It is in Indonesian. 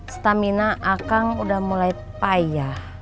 stamina akang udah mulai payah